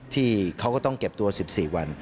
ที่เขาก็ต้องเก็บตัว๑๔วัน